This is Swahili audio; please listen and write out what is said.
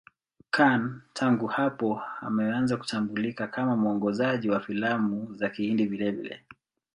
Khan tangu hapo ameanza kutambulika kama mwongozaji wa filamu za Kihindi vilevile.